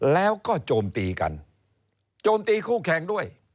แล้วก็โจมตีกันโจมตีคู่แข่งด้วย